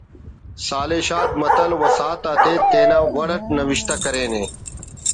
صالح شاد متل وساہت آتے تینا وڑ اٹ نوشتہ کرینے